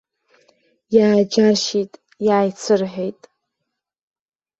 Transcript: Иааџьаршьеит, иааицырҳәеит.